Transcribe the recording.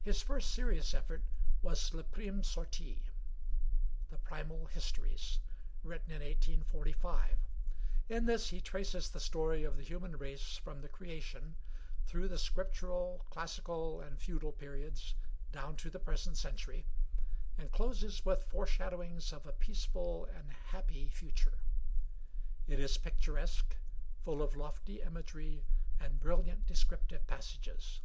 His first serious effort was 'Le Prime Storie' (The Primal Histories), written in 1845. In this he traces the story of the human race from the creation through the Scriptural, classical, and feudal periods down to the present century, and closes with foreshadowings of a peaceful and happy future. It is picturesque, full of lofty imagery and brilliant descriptive passages.